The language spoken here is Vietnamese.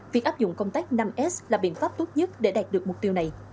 việc áp dụng công tác năm s là biện pháp tốt nhất để đạt được mục tiêu này